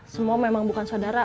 semua memang bukan saudara